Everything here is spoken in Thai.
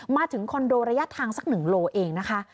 มาถึงคอนโดระยะทางสัก๑โลเมตรเองนะคะ